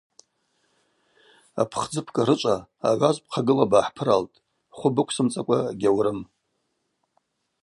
Апхдзы бкӏарычӏва, агӏваз бхъагыла бгӏахӏпыралтӏ, хвы быквсымцӏакӏва гьаурым.